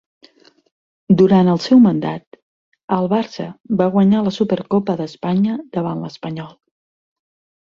Durant el seu mandat, el Barça va guanyar la Supercopa d'Espanya davant l'Espanyol.